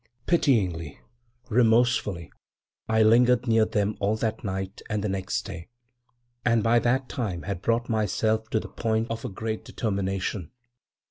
< 10 > Pityingly, remorsefully, I lingered near them all that night and the next day. And by that time had brought myself to the point of a great determination.